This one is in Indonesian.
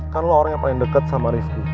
kan lu orang yang paling deket sama rifki